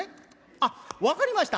あっ分かりました」。